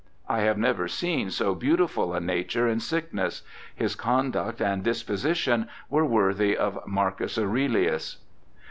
I have never seen so beautiful a nature in sickness ; his conduct and disposition were worthy of Marcus Aurelius.'